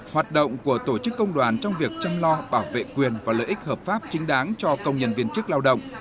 hoạt động của tổ chức công đoàn trong việc chăm lo bảo vệ quyền và lợi ích hợp pháp chính đáng cho công nhân viên chức lao động